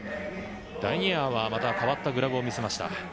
第２エア、また変わったグラブを見せました。